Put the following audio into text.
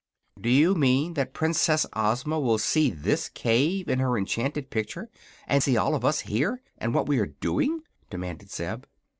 "Do you mean that Princess Ozma will see this cave in her enchanted picture, and see all of us here, and what we are doing?" demanded Zeb.